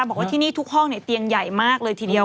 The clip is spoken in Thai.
บอกว่าที่นี่ทุกห้องเตียงใหญ่มากเลยทีเดียว